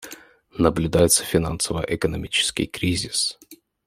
Наблюдается финансово-экономический кризис.